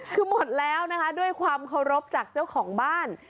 คือหมดแล้วนะคะด้วยความเคารพจากเจ้าของบ้าน